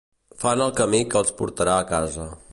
Fan el camí que els portarà a casa.